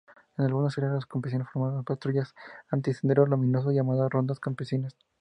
En algunas áreas, los campesinos formaron patrullas Anti-Sendero Luminoso, llamadas rondas campesinas.